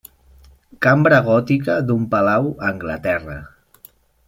Cambra gòtica d'un palau a Anglaterra.